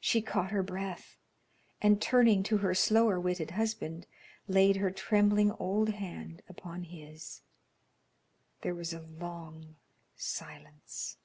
She caught her breath, and turning to her slower witted husband, laid her trembling old hand upon his. There was a long silence.